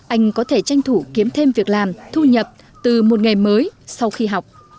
anh có thể tranh thủ kiếm thêm việc làm thu nhập từ một nghề mới sau khi học